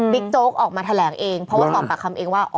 โจ๊กออกมาแถลงเองเพราะว่าสอบปากคำเองว่า